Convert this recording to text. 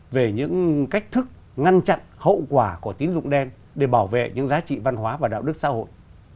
về những cách thức ngăn chặn hậu quả của tín dụng đen để bảo vệ những giá trị văn hóa và đạo đức xã hội